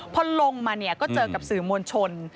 พอลงมาก็เจอกับสื่อมวลชน